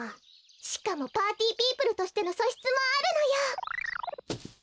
しかもパーティーピープルとしてのそしつもあるのよ。